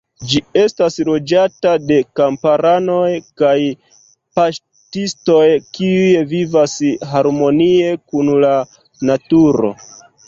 Ĝi estas loĝata de kamparanoj kaj paŝtistoj kiuj vivas harmonie kun la naturo.